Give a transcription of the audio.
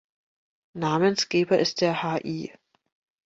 Namensgeber ist der Hl.